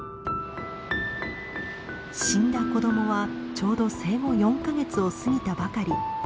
死んだ子供はちょうど生後４か月を過ぎたばかり。